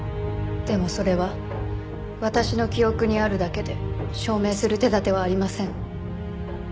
でもそれは私の記憶にあるだけで証明する手立てはありません。